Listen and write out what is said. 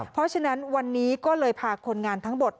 เพราะฉะนั้นวันนี้ก็เลยพาคนงานทั้งหมด